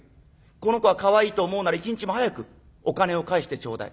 この子がかわいいと思うなら一日も早くお金を返してちょうだい。